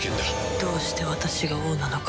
どうして私が王なのか。